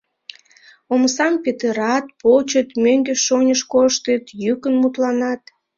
Омсам петырат, почыт, мӧҥгеш-оньыш коштыт, йӱкын мутланат.